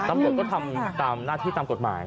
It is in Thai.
ตำรวจก็ทำตามหน้าที่ตามกฎหมาย